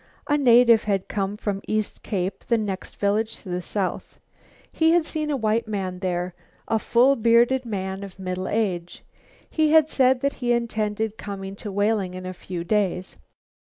A native had come from East Cape, the next village to the south. He had seen a white man there, a full bearded man of middle age. He had said that he intended coming to Whaling in a few days.